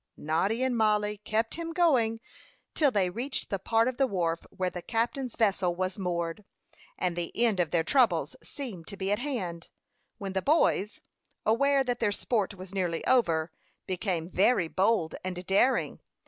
Noddy and Mollie kept him going till they reached the part of the wharf where the captain's vessel was moored; and the end of their troubles seemed to be at hand, when the boys, aware that their sport was nearly over, became very bold and daring.